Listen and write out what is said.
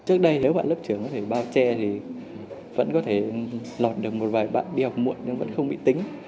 trước đây nếu bạn lớp trường có thể bao che thì vẫn có thể lọt được một vài bạn đi học muộn nhưng vẫn không bị tính